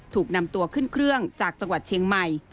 ถูกนำตัวขึ้นเครื่องจากจังหวัดเชียงใหม่